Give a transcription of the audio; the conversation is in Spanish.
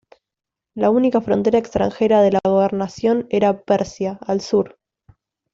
La única frontera extranjera de la gobernación era Persia, al sur.